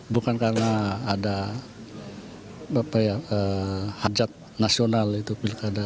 bukan karena ada hajat nasional itu pilkada